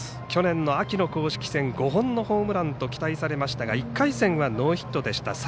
去年の秋の公式戦５本のホームランと期待されましたが１回戦はノーヒットでした。